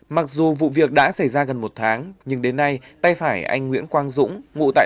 mặc dù vụ việc đã xảy ra gần một tháng nhưng đến nay tay phải anh nguyễn quang dũng ngụ tại